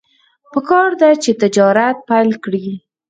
پکار ده چې تجارت پیل کړي.